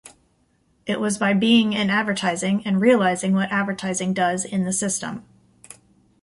It was by being in advertising and realizing what advertising does in the system.